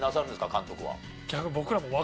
監督は。